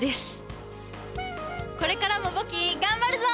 これからも簿記頑張るぞ！